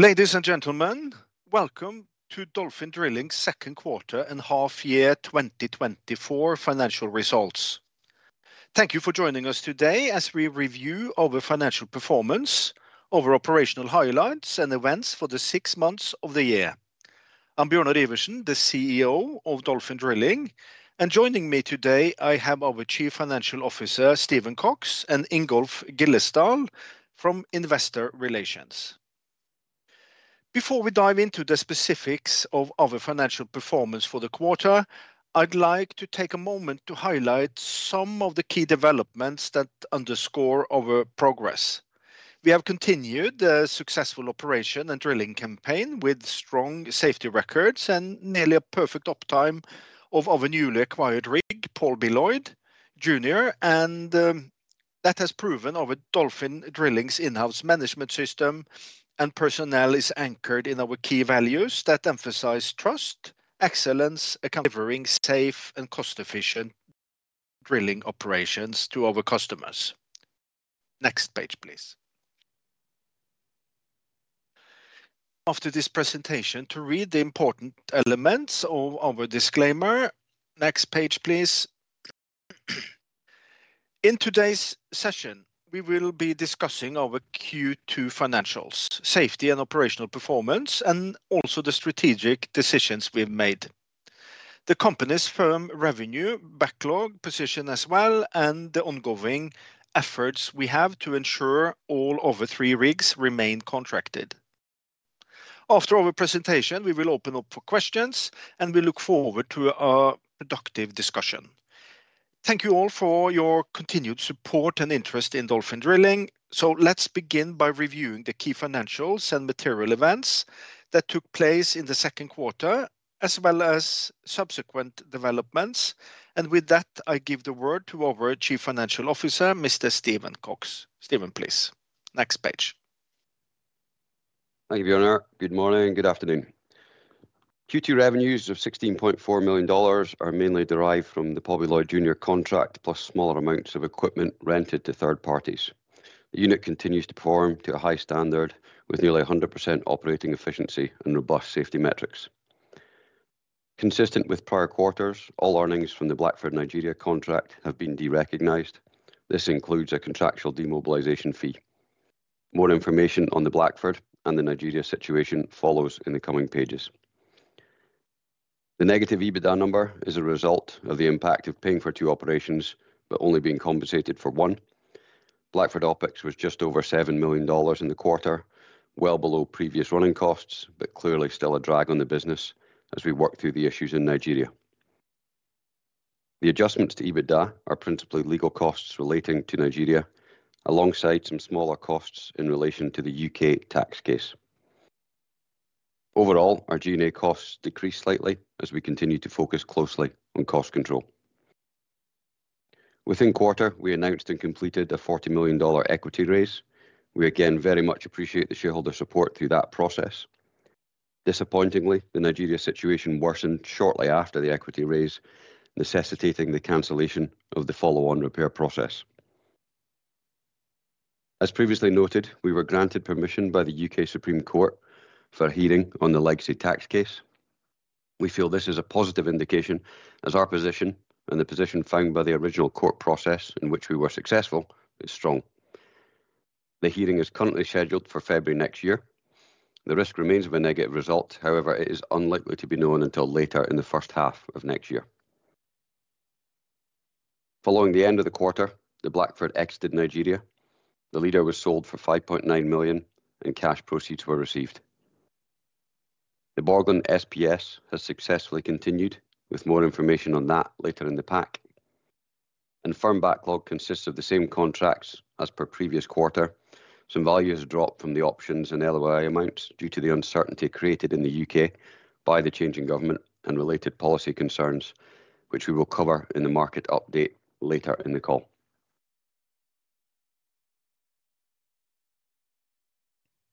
Ladies and gentlemen, welcome to Dolphin Drilling Second Quarter and Half Year 2024 Financial Results. Thank you for joining us today as we review our financial performance, our operational highlights, and events for the six months of the year. I'm Bjørnar Iversen, the CEO of Dolphin Drilling, and joining me today I have our Chief Financial Officer, Stephen Cox, and Ingolf Gillestad from Investor Relations. Before we dive into the specifics of our financial performance for the quarter, I'd like to take a moment to highlight some of the key developments that underscore our progress. We have continued the successful operation and drilling campaign with strong safety records and nearly a perfect uptime of our newly acquired rig, Paul B. Loyd Jr. That has proven our Dolphin Drilling's in-house management system and personnel is anchored in our key values that emphasize trust, excellence, delivering safe and cost-efficient drilling operations to our customers. Next page, please. After this presentation to read the important elements of our disclaimer. Next page, please. In today's session, we will be discussing our Q2 financials, safety and operational performance, and also the strategic decisions we've made. The company's firm revenue, backlog position as well, and the ongoing efforts we have to ensure all of the three rigs remain contracted. After our presentation, we will open up for questions, and we look forward to a productive discussion. Thank you all for your continued support and interest in Dolphin Drilling. Let's begin by reviewing the key financials and material events that took place in the second quarter, as well as subsequent developments. With that, I give the word to our Chief Financial Officer, Mr. Stephen Cox. Stephen, please. Next page. Thank you, Bjørnar. Good morning. Good afternoon. Q2 revenues of $16.4 million are mainly derived from the Paul B. Loyd Jr. contract, plus smaller amounts of equipment rented to third parties. The unit continues to perform to a high standard, with nearly 100% operating efficiency and robust safety metrics. Consistent with prior quarters, all earnings from the Blackford Nigeria contract have been de-recognized. This includes a contractual demobilization fee. More information on the Blackford and the Nigeria situation follows in the coming pages. The negative EBITDA number is a result of the impact of paying for two operations, but only being compensated for one. Blackford OpEx was just over $7 million in the quarter, well below previous running costs, but clearly still a drag on the business as we work through the issues in Nigeria. The adjustments to EBITDA are principally legal costs relating to Nigeria, alongside some smaller costs in relation to the UK tax case. Overall, our G&A costs decreased slightly as we continue to focus closely on cost control. Within quarter, we announced and completed a $40 million equity raise. We again very much appreciate the shareholder support through that process. Disappointingly, the Nigeria situation worsened shortly after the equity raise, necessitating the cancellation of the follow-on repair process. As previously noted, we were granted permission by the UK Supreme Court for a hearing on the legacy tax case. We feel this is a positive indication as our position and the position found by the original court process in which we were successful is strong. The hearing is currently scheduled for February next year. The risk remains of a negative result, however, it is unlikely to be known until later in the half of next year. Following the end of the quarter, the Blackford exited Nigeria. The Leader was sold for $5.9 million, and cash proceeds were received. The Borgland SPS has successfully continued, with more information on that later in the pack. Firm backlog consists of the same contracts as per previous quarter. Some values dropped from the options and LOI amounts due to the uncertainty created in the UK by the changing government and related policy concerns, which we will cover in the market update later in the call.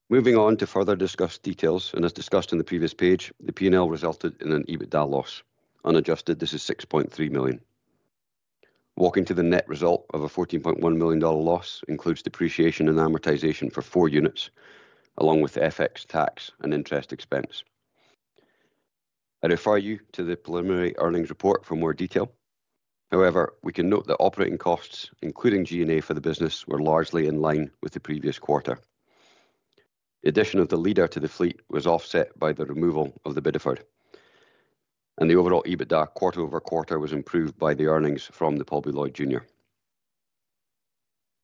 Moving on to further discuss details, and as discussed on the previous page, the P&L resulted in an EBITDA loss. Unadjusted, this is $6.3 million. Walking to the net result of a $14.1 million loss includes depreciation and amortization for four units, along with FX tax and interest expense. I refer you to the preliminary earnings report for more detail. However, we can note that operating costs, including G&A for the business, were largely in line with the previous quarter. The addition of the Leader to the fleet was offset by the removal of the Bideford, and the overall EBITDA quarter over quarter was improved by the earnings from the Paul B. Loyd Jr.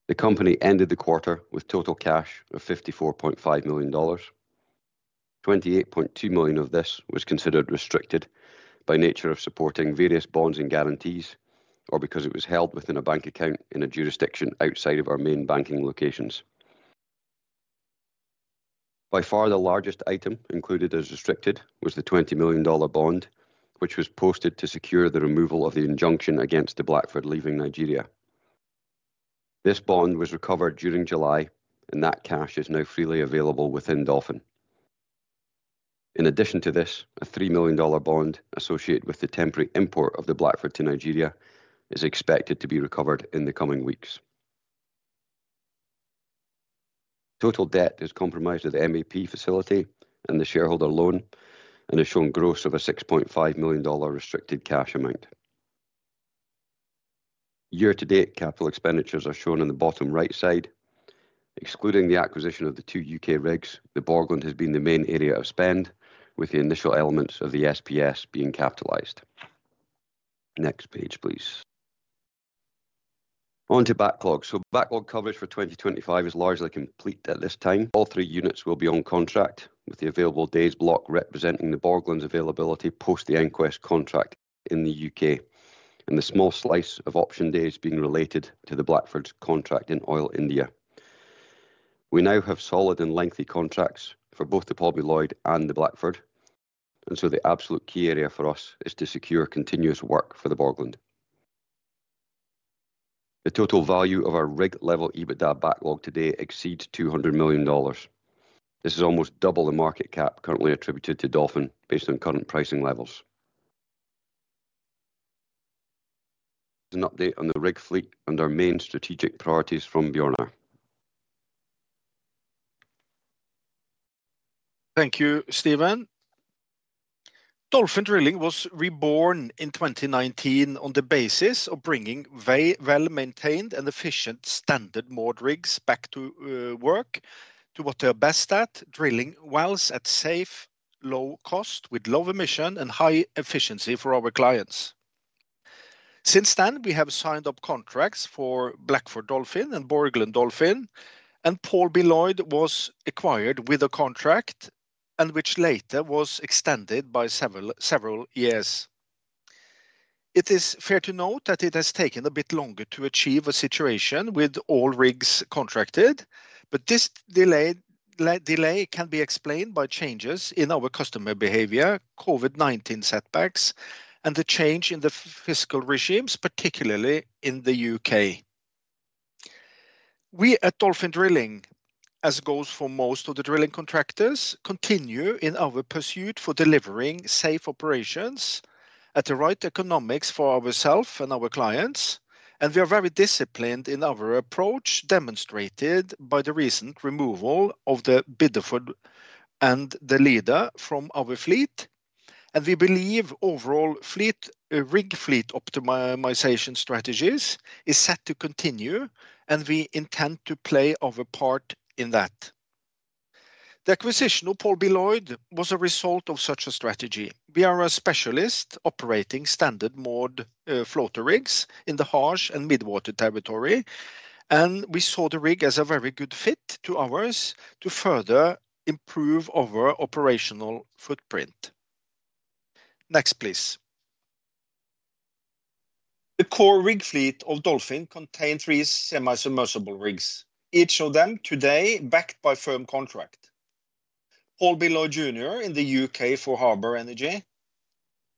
The company ended the quarter with total cash of $54.5 million. $28.2 million of this was considered restricted by nature of supporting various bonds and guarantees, or because it was held within a bank account in a jurisdiction outside of our main banking locations. By far, the largest item included as restricted was the $20 million bond, which was posted to secure the removal of the injunction against the Blackford leaving Nigeria. This bond was recovered during July, and that cash is now freely available within Dolphin. In addition to this, a $3 million bond associated with the temporary import of the Blackford to Nigeria is expected to be recovered in the coming weeks. Total debt is comprised of the MAP facility and the shareholder loan, and has grown, gross of a $6.5 million restricted cash amount. Year-to-date, capital expenditures are shown on the bottom right side. Excluding the acquisition of the two UK rigs, the Borgland has been the main area of spend, with the initial elements of the SPS being capitalized. Next page, please. On to backlog. Backlog coverage for 2025 is largely complete at this time. All three units will be on contract, with the available days block representing the Borgland's availability post the EnQuest contract in the UK, and the small slice of option days being related to the Blackford's contract in Oil India. We now have solid and lengthy contracts for both the Paul B. Loyd and the Blackford, and so the absolute key area for us is to secure continuous work for the Borgland. The total value of our rig-level EBITDA backlog today exceeds $200 million. This is almost double the market cap currently attributed to Dolphin based on current pricing levels. An update on the rig fleet and our main strategic priorities from Bjørnar. Thank you, Stephen. Dolphin Drilling was reborn in 2019 on the basis of bringing very well-maintained and efficient standard moored rigs back to work, to what they are best at, drilling wells at safe, low cost, with low emission and high efficiency for our clients. Since then, we have signed up contracts for Blackford Dolphin and Borgland Dolphin, and Paul B. Loyd was acquired with a contract, and which later was extended by several years. It is fair to note that it has taken a bit longer to achieve a situation with all rigs contracted, but this delay can be explained by changes in our customer behavior, COVID-19 setbacks, and the change in the fiscal regimes, particularly in the U.K. We at Dolphin Drilling, as goes for most of the drilling contractors, continue in our pursuit for delivering safe operations at the right economics for ourself and our clients, and we are very disciplined in our approach, demonstrated by the recent removal of the Bideford and the Leader from our fleet. And we believe overall fleet, rig fleet optimization strategies is set to continue, and we intend to play our part in that. The acquisition of Paul B. Loyd Jr. was a result of such a strategy. We are a specialist operating standard mode, floater rigs in the harsh and mid-water territory, and we saw the rig as a very good fit to ours to further improve our operational footprint. Next, please. The core rig fleet of Dolphin contain three semi-submersible rigs, each of them today backed by firm contract. Paul B. Loyd Jr. in the UK for Harbour Energy.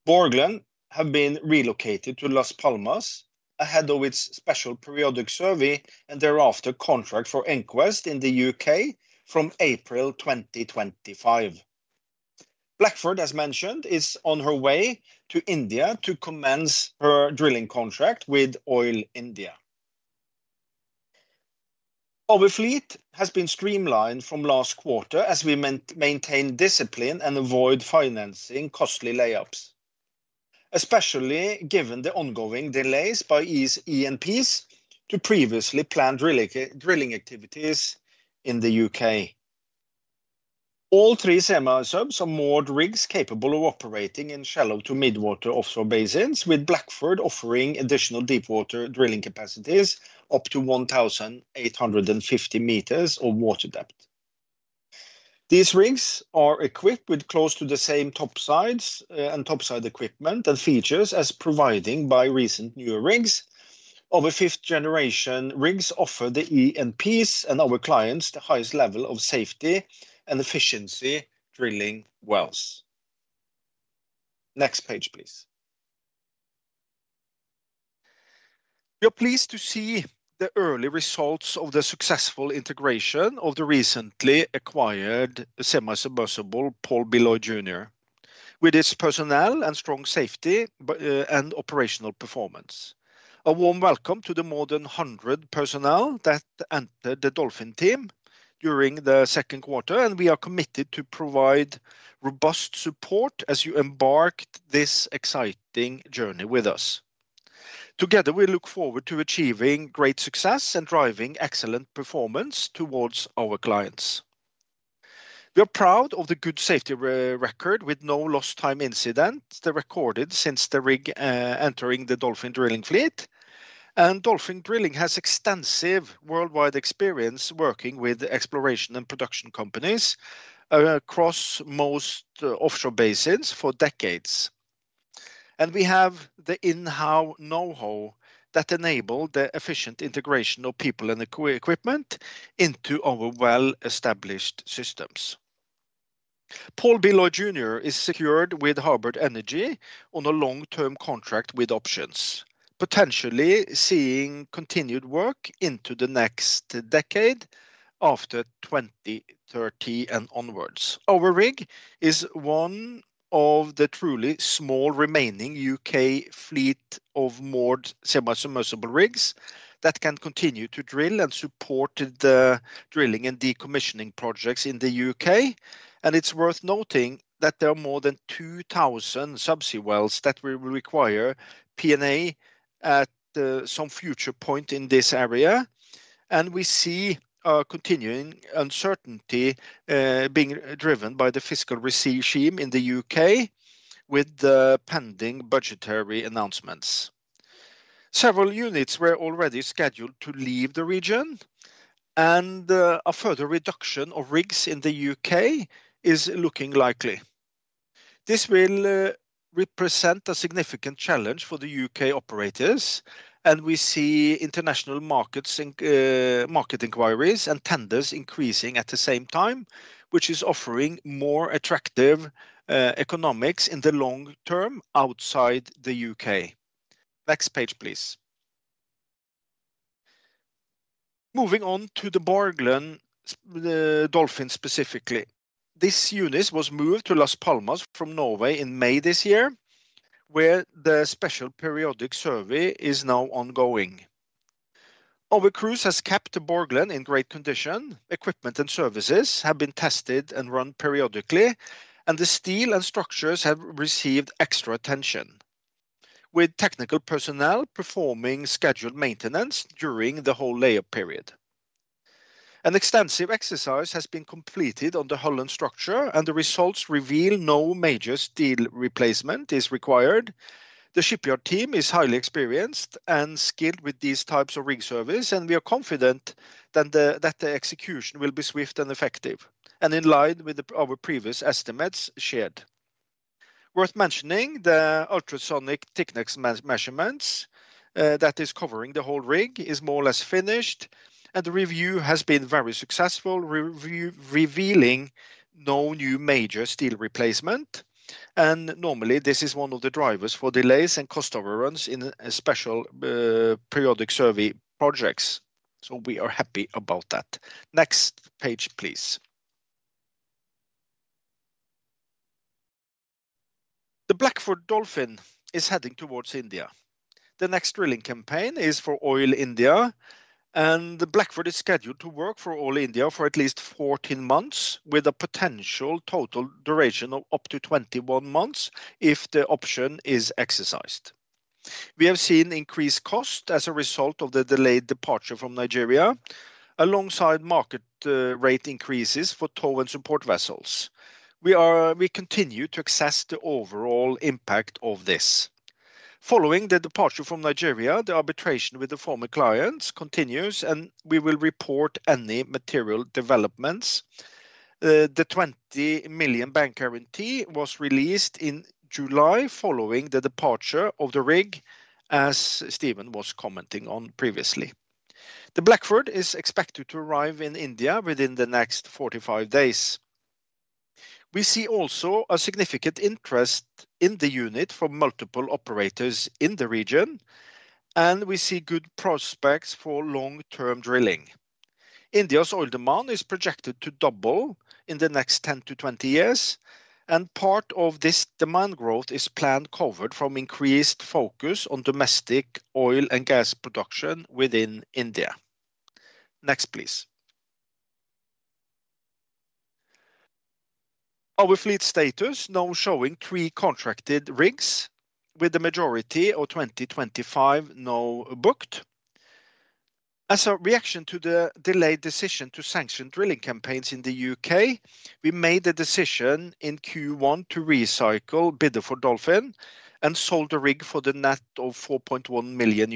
Borgland has been relocated to Las Palmas ahead of its special periodic survey, and thereafter, contract for EnQuest in the UK from April 2025. Blackford, as mentioned, is on her way to India to commence her drilling contract with Oil India. Our fleet has been streamlined from last quarter as we maintain discipline and avoid financing costly layups, especially given the ongoing delays by E&Ps to previously planned drilling activities in the UK. All three semi-submersibles are moored rigs capable of operating in shallow to mid-water offshore basins, with Blackford offering additional deepwater drilling capacities, up to 1,850 meters of water depth. These rigs are equipped with close to the same topsides and topside equipment and features as provided by recent newer rigs. Our fifth generation rigs offer the E&Ps and our clients the highest level of safety and efficiency drilling wells. Next page, please. We are pleased to see the early results of the successful integration of the recently acquired semi-submersible Paul B. Loyd Jr, with its personnel and strong safety and operational performance. A warm welcome to the more than 100 personnel that entered the Dolphin team during the second quarter, and we are committed to provide robust support as you embark this exciting journey with us. Together, we look forward to achieving great success and driving excellent performance towards our clients. We are proud of the good safety record, with no lost time incidents recorded since the rig entering the Dolphin Drilling fleet. And Dolphin Drilling has extensive worldwide experience working with exploration and production companies, across most offshore basins for decades. And we have the in-house know-how that enable the efficient integration of people and equipment into our well-established systems. Paul B. Loyd Jr. is secured with Harbour Energy on a long-term contract with options, potentially seeing continued work into the next decade after 2030 and onwards. Our rig is one of the truly small remaining U.K. fleet of moored semi-submersible rigs that can continue to drill and support the drilling and decommissioning projects in the U.K. It's worth noting that there are more than two thousand subsea wells that will require P&A at some future point in this area, and we see a continuing uncertainty being driven by the fiscal regime in the U.K. with the pending budgetary announcements. Several units were already scheduled to leave the region, and a further reduction of rigs in the U.K. is looking likely. This will represent a significant challenge for the UK operators, and we see international markets, including market inquiries and tenders increasing at the same time, which is offering more attractive economics in the long term outside the UK. Next page, please. Moving on to the Borgland Dolphin, specifically. This unit was moved to Las Palmas from Norway in May this year, where the special periodic survey is now ongoing. Our crew has kept the Borgland in great condition. Equipment and services have been tested and run periodically, and the steel and structures have received extra attention, with technical personnel performing scheduled maintenance during the whole layup period. An extensive exercise has been completed on the hull and structure, and the results reveal no major steel replacement is required. The shipyard team is highly experienced and skilled with these types of rig service, and we are confident that the execution will be swift and effective, and in line with our previous estimates shared. Worth mentioning, the ultrasonic thickness measurements that is covering the whole rig is more or less finished, and the review has been very successful, revealing no new major steel replacement. Normally, this is one of the drivers for delays and cost overruns in a Special Periodic Survey projects, so we are happy about that. Next page, please. The Blackford Dolphin is heading towards India. The next drilling campaign is for Oil India, and the Blackford is scheduled to work for Oil India for at least fourteen months, with a potential total duration of up to 21 months if the option is exercised. We have seen increased costs as a result of the delayed departure from Nigeria, alongside market rate increases for tow and support vessels. We continue to assess the overall impact of this. Following the departure from Nigeria, the arbitration with the former clients continues, and we will report any material developments. The 20 million bank guarantee was released in July, following the departure of the rig, as Stephen was commenting on previously. The Blackford is expected to arrive in India within the next 45 days. We see also a significant interest in the unit from multiple operators in the region, and we see good prospects for long-term drilling. India's oil demand is projected to double in the next 10-20 years, and part of this demand growth is plan covered from increased focus on domestic oil and gas production within India. Next, please. Our fleet status now showing three contracted rigs, with the majority of 2025 now booked. As a reaction to the delayed decision to sanction drilling campaigns in the UK, we made a decision in Q1 to recycle Bideford Dolphin and sold the rig for the net of $4.1 million.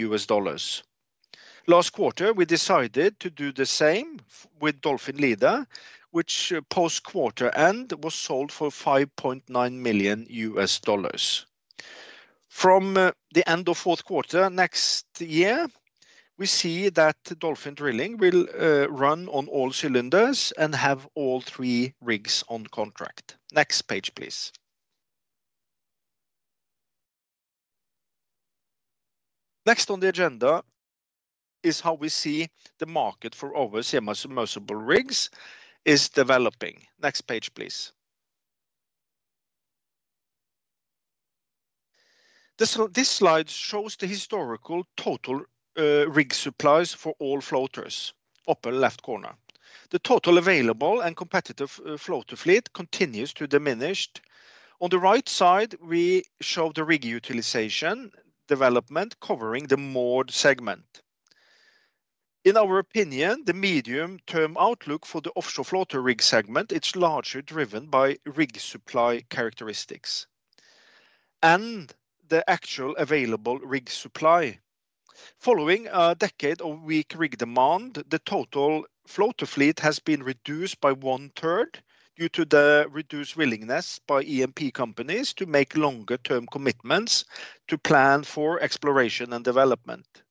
Last quarter, we decided to do the same with Dolphin Leader, which, post quarter-end, was sold for $5.9 million. From the end of fourth quarter next year, we see that Dolphin Drilling will run on all cylinders and have all three rigs on contract. Next page, please. Next on the agenda is how we see the market for our semi-submersible rigs is developing. Next page, please. This slide shows the historical total rig supplies for all floaters, upper left corner. The total available and competitive floater fleet continues to diminish. On the right side, we show the rig utilization development covering the moored segment. In our opinion, the medium-term outlook for the offshore floater rig segment, it's largely driven by rig supply characteristics and the actual available rig supply. Following a decade of weak rig demand, the total floater fleet has been reduced by one third due to the reduced willingness by E&P companies to make longer term commitments to plan for exploration and development.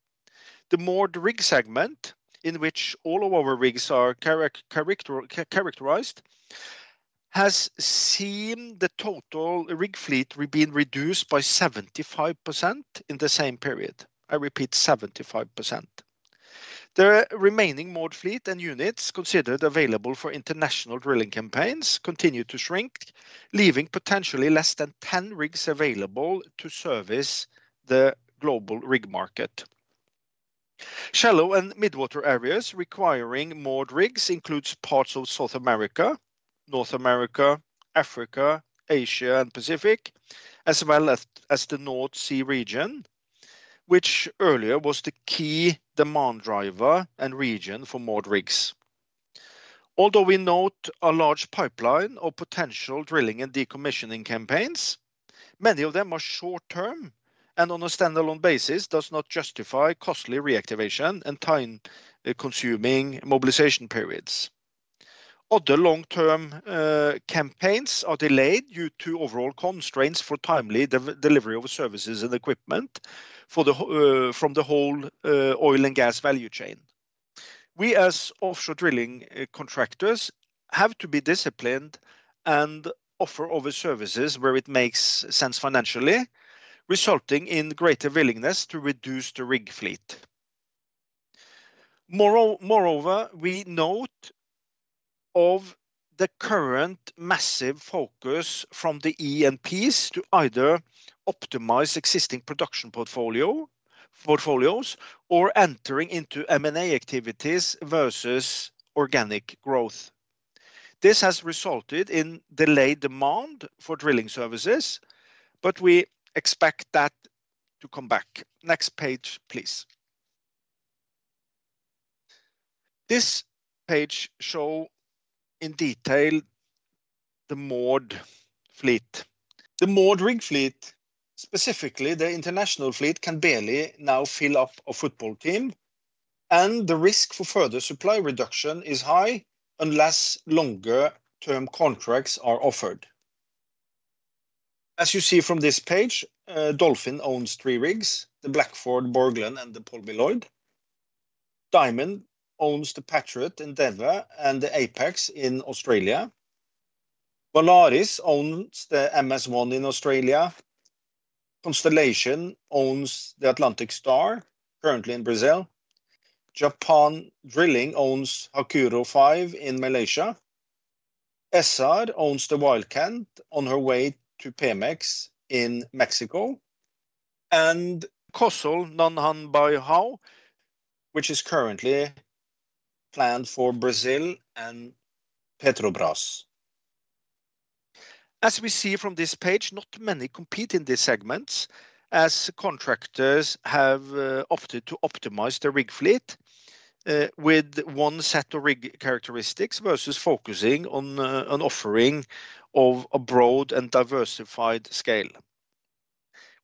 The moored rig segment, in which all of our rigs are characterized, has seen the total rig fleet being reduced by 75% in the same period. I repeat, 75%. The remaining moored fleet and units considered available for international drilling campaigns continue to shrink, leaving potentially less than 10 rigs available to service the global rig market. Shallow and mid-water areas requiring moored rigs includes parts of South America, North America, Africa, Asia, and Pacific, as well as the North Sea region, which earlier was the key demand driver and region for moored rigs. Although we note a large pipeline of potential drilling and decommissioning campaigns, many of them are short-term, and on a standalone basis, does not justify costly reactivation and time-consuming mobilization periods. Other long-term campaigns are delayed due to overall constraints for timely delivery of services and equipment from the whole oil and gas value chain. We, as offshore drilling contractors, have to be disciplined and offer other services where it makes sense financially, resulting in greater willingness to reduce the rig fleet. Moreover, we note the current massive focus from the E&Ps to either optimize existing production portfolios or entering into M&A activities versus organic growth. This has resulted in delayed demand for drilling services, but we expect that to come back. Next page, please. This page shows in detail the moored fleet. The moored rig fleet, specifically the international fleet, can barely now fill up a football team, and the risk for further supply reduction is high, unless longer-term contracts are offered. As you see from this page, Dolphin owns three rigs: the Blackford, Borgland, and the Paul B. Loyd Jr. Diamond owns the Ocean Patriot and Ocean Endeavor and the Ocean Apex in Australia. Valaris owns the MS-1 in Australia. Constellation owns the Atlantic Star, currently in Brazil. Japan Drilling owns Hakuryu-5 in Malaysia. Essar owns the Wildcat on her way to Pemex in Mexico, and COSL Nanhai 8, which is currently planned for Brazil and Petrobras. As we see from this page, not many compete in these segments, as contractors have opted to optimize their rig fleet with one set of rig characteristics versus focusing on an offering of a broad and diversified scale.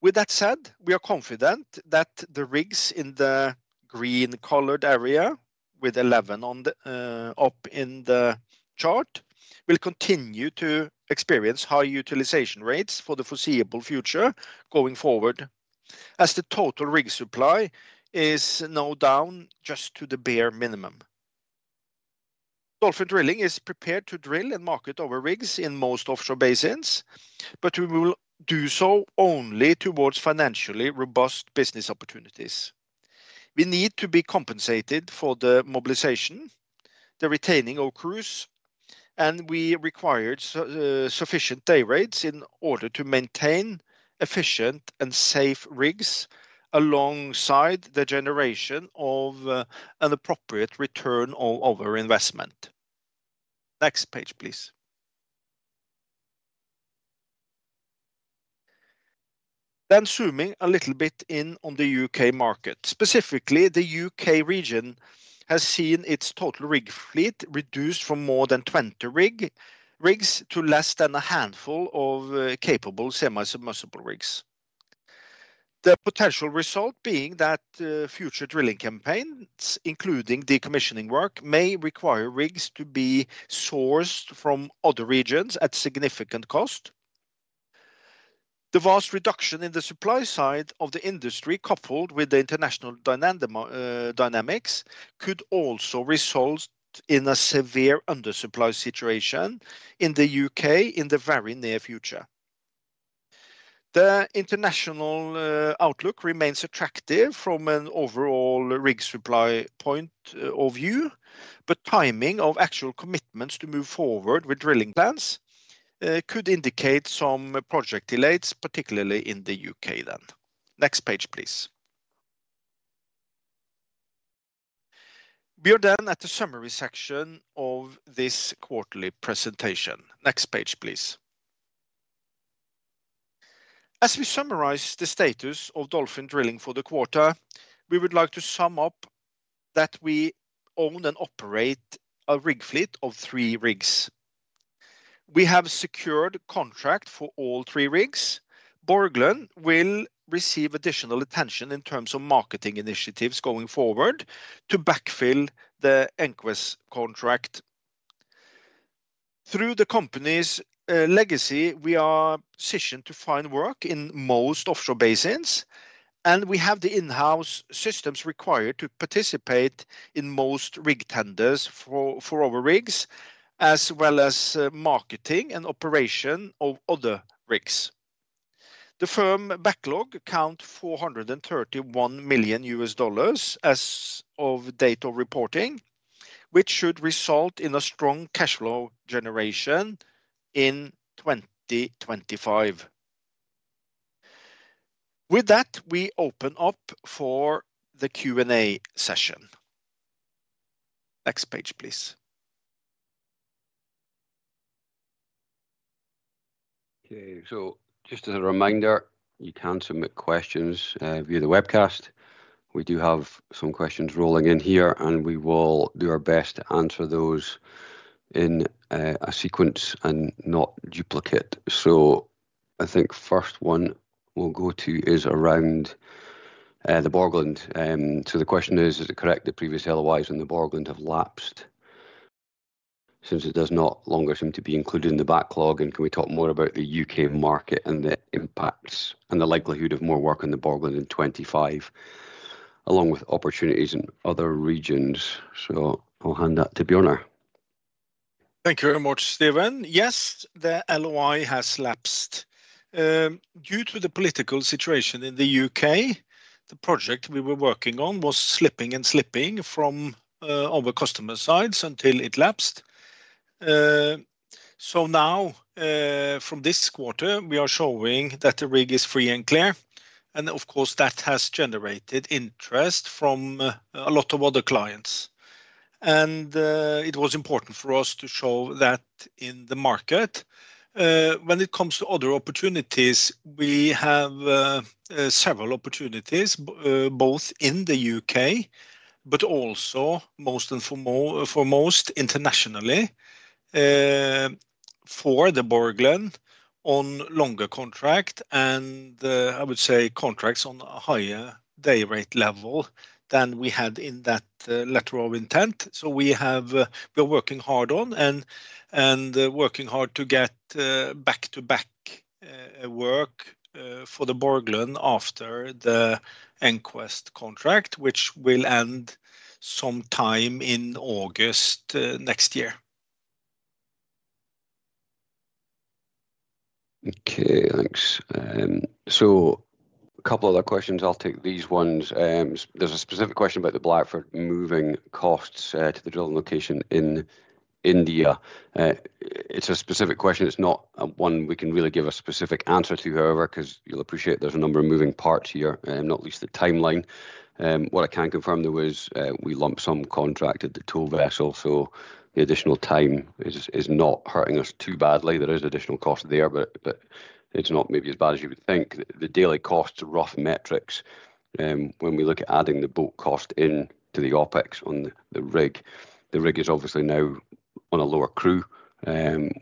With that said, we are confident that the rigs in the green colored area, with eleven up in the chart, will continue to experience high utilization rates for the foreseeable future going forward, as the total rig supply is now down just to the bare minimum. Dolphin Drilling is prepared to drill and market our rigs in most offshore basins, but we will do so only towards financially robust business opportunities. We need to be compensated for the mobilization, the retaining of crews, and we require sufficient day rates in order to maintain efficient and safe rigs, alongside the generation of an appropriate return on our investment. Next page, please. Then zooming a little bit in on the U.K. market. Specifically, the U.K. region has seen its total rig fleet reduced from more than 20 rigs to less than a handful of capable semi-submersible rigs. The potential result being that future drilling campaigns, including decommissioning work, may require rigs to be sourced from other regions at significant cost. The vast reduction in the supply side of the industry, coupled with the international dynamics, could also result in a severe undersupply situation in the U.K. in the very near future. The international outlook remains attractive from an overall rig supply point of view, but timing of actual commitments to move forward with drilling plans could indicate some project delays, particularly in the UK then. Next page, please. We are then at the summary section of this quarterly presentation. Next page, please. As we summarize the status of Dolphin Drilling for the quarter, we would like to sum up that we own and operate a rig fleet of three rigs. We have secured contract for all three rigs. Borgland Dolphin will receive additional attention in terms of marketing initiatives going forward to backfill the EnQuest contract.... Through the company's legacy, we are positioned to find work in most offshore basins, and we have the in-house systems required to participate in most rig tenders for our rigs, as well as marketing and operation of other rigs. The firm backlog is $431 million as of date of reporting, which should result in a strong cash flow generation in 2025. With that, we open up for the Q&A session. Next page, please. Okay, so just as a reminder, you can submit questions via the webcast. We do have some questions rolling in here, and we will do our best to answer those in a sequence and not duplicate. So I think first one we'll go to is around the Borgland. So the question is, "Is it correct that previous LOIs on the Borgland have lapsed, since it does not longer seem to be included in the backlog? And can we talk more about the U.K. market and the impacts and the likelihood of more work on the Borgland in 2025, along with opportunities in other regions?" So I'll hand that to Bjørnar. Thank you very much, Stephen. Yes, the LOI has lapsed. Due to the political situation in the U.K., the project we were working on was slipping and slipping from our customer sides until it lapsed. So now, from this quarter, we are showing that the rig is free and clear, and of course, that has generated interest from a lot of other clients. And it was important for us to show that in the market. When it comes to other opportunities, we have several opportunities both in the U.K., but also foremost internationally for the Borgland on longer contract and I would say contracts on a higher day rate level than we had in that letter of intent. So we have. We're working hard to get back-to-back work for the Borgland after the EnQuest contract, which will end some time in August next year. Okay, thanks. So a couple other questions. I'll take these ones. There's a specific question about the Blackford moving costs to the drilling location in India. It's a specific question. It's not one we can really give a specific answer to, however, 'cause you'll appreciate there's a number of moving parts here, not least the timeline. What I can confirm, though, is we lump sum contracted the tow vessel, so the additional time is not hurting us too badly. There is additional cost there, but it's not maybe as bad as you would think. The daily costs are rough metrics when we look at adding the boat cost in to the OpEx on the rig. The rig is obviously now on a lower crew.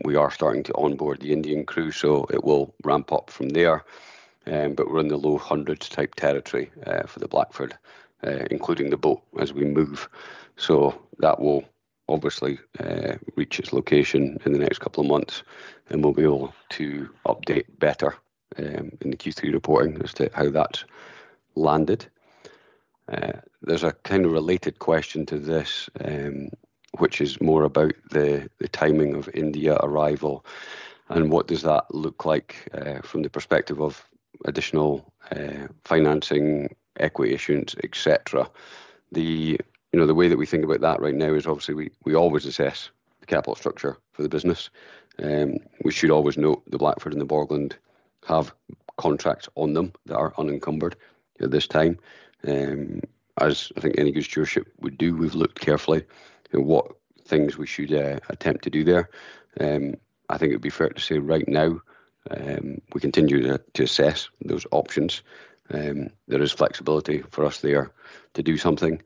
We are starting to onboard the Indian crew, so it will ramp up from there. But we're in the low hundreds type territory for the Blackford, including the boat as we move. So that will obviously reach its location in the next couple of months, and we'll be able to update better in the Q3 reporting as to how that landed. There's a kind of related question to this, which is more about the timing of India arrival and what does that look like from the perspective of additional financing, equity issuance, et cetera. You know, the way that we think about that right now is, obviously, we always assess the capital structure for the business. We should always note the Blackford and the Borgland have contracts on them that are unencumbered at this time. As I think any good stewardship would do, we've looked carefully at what things we should attempt to do there. I think it'd be fair to say, right now, we continue to assess those options. There is flexibility for us there to do something,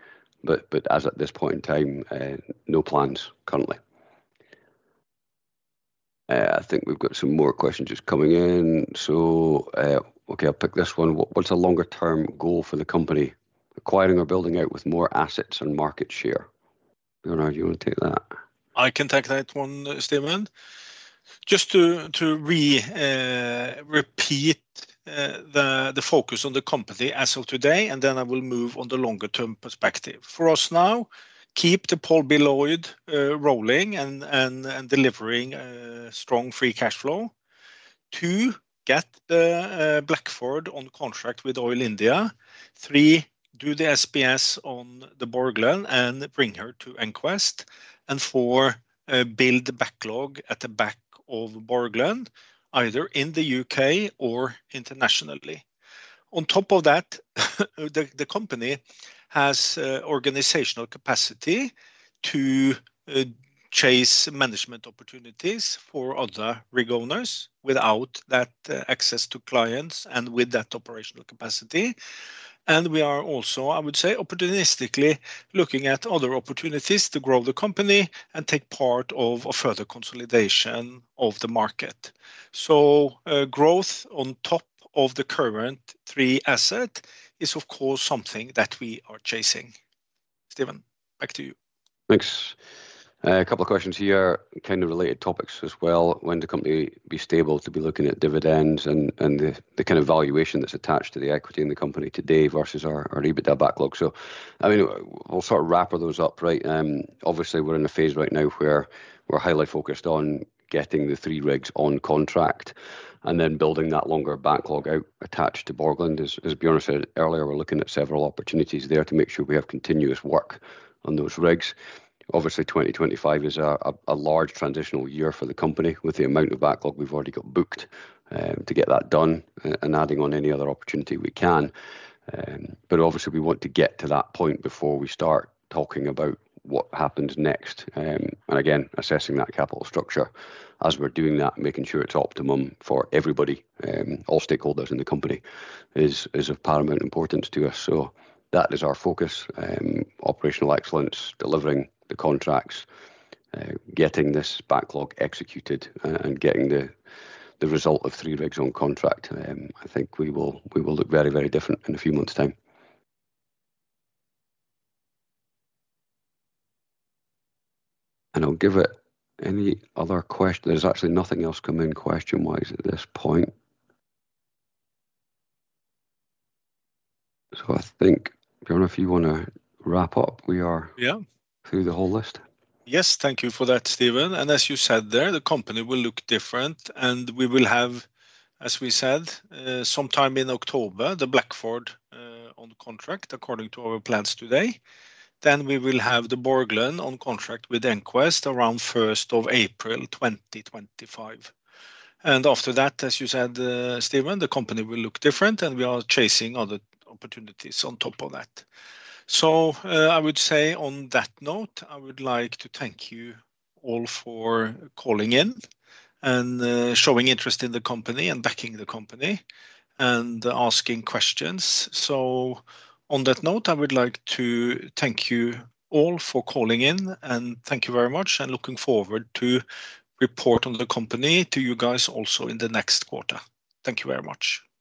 but as at this point in time, no plans currently. I think we've got some more questions just coming in. Okay, I'll pick this one. "What's a longer term goal for the company, acquiring or building out with more assets and market share?" Bjørnar, do you want to take that? I can take that one, Stephen. Just to repeat the focus on the company as of today, and then I will move on the longer term perspective. For us now, keep the Paul B. Loyd Jr. rolling and delivering strong free cash flow. Two, get the Blackford on contract with Oil India. Three, do the SPS on the Borgland and bring her to EnQuest. And four, build the backlog at the back of Borgland, either in the UK or internationally. On top of that, the company has organizational capacity to chase management opportunities for other rig owners without that access to clients and with that operational capacity. And we are also, I would say, opportunistically looking at other opportunities to grow the company and take part of a further consolidation of the market. Growth on top of the current three assets is, of course, something that we are chasing. Stephen, back to you. Thanks. A couple of questions here, kind of related topics as well. When the company be stable to be looking at dividends and the kind of valuation that's attached to the equity in the company today versus our EBITDA backlog. So I mean, we'll sort of wrap those up, right? Obviously, we're in a phase right now where we're highly focused on getting the three rigs on contract, and then building that longer backlog out attached to Borgland. As Bjørnar said earlier, we're looking at several opportunities there to make sure we have continuous work on those rigs. Obviously, 2025 is a large transitional year for the company with the amount of backlog we've already got booked, to get that done, and adding on any other opportunity we can. But obviously, we want to get to that point before we start talking about what happens next. And again, assessing that capital structure as we're doing that, making sure it's optimum for everybody, all stakeholders in the company, is of paramount importance to us. So that is our focus, operational excellence, delivering the contracts, getting this backlog executed, and getting the result of three rigs on contract. I think we will look very, very different in a few months' time. There's actually nothing else come in question-wise at this point. So I think, Bjørn, if you wanna wrap up, we are- Yeah through the whole list. Yes, thank you for that, Stephen. And as you said there, the company will look different, and we will have, as we said, sometime in October, the Blackford on contract, according to our plans today. Then we will have the Borgland on contract with EnQuest around 1st of April 2025. And after that, as you said, Stephen, the company will look different, and we are chasing other opportunities on top of that. So, I would say on that note, I would like to thank you all for calling in and showing interest in the company and backing the company and asking questions. So on that note, I would like to thank you all for calling in, and thank you very much, and looking forward to report on the company to you guys also in the next quarter. Thank you very much.